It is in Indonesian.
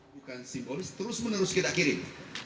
bukan simbolis terus menerus kita kirim